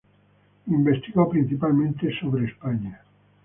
Investigó principalmente sobre España.